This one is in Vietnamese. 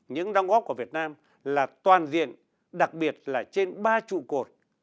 những đóng góp của việt nam là toàn diện đặc biệt là trên ba trụ cột